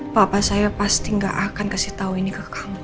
papa saya pasti gak akan kasih tahu ini ke kamu